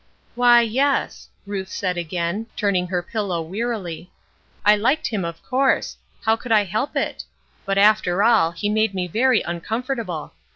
"Why, yes," Ruth said again, turning her pillow wearily. "I liked him of course; how could I help it? But, after all, he made me very uncomfortable.